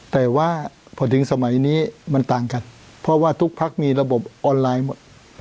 แต่ว่าพอถึงสมัยนี้มันต่างกันเพราะว่าทุกพักมีระบบออนไลน์หมด